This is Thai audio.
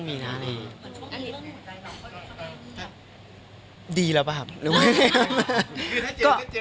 ไม่ได้นับนี่เหมือนเดือนนี้นะครับ